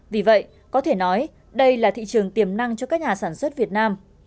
vì vậy có thể nói đây là thị trường tiềm năng cho các nhà sản xuất việt nam